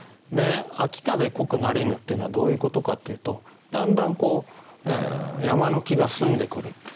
「秋風濃くなりぬ」っていうのはどういうことかっていうとだんだん山の気が澄んでくる。